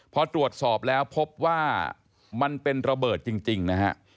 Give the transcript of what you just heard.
พอตรวจสอบแล้วพบว่ามันเป็นระเบิดจริงนะฮะ